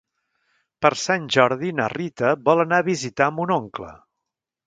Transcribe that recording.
Per Sant Jordi na Rita vol anar a visitar mon oncle.